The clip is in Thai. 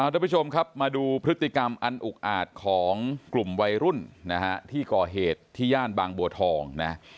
ทุกผู้ชมครับมาดูพฤติกรรมอันอุกอาจของกลุ่มวัยรุ่นนะฮะที่ก่อเหตุที่ย่านบางบัวทองนะ